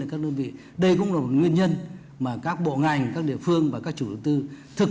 các đơn vị đây cũng là một nguyên nhân mà các bộ ngành các địa phương và các chủ đầu tư thực